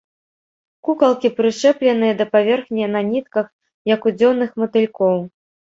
Кукалкі прычэпленыя да паверхні на нітках, як у дзённых матылькоў.